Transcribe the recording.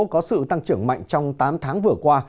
có sự tăng trưởng mạnh trong tám tháng vừa qua